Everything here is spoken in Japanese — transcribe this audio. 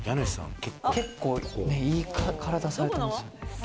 いい体されてますよね。